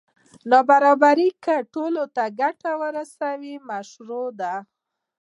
نابرابري که ټولو ته ګټه رسوي مشروع ده.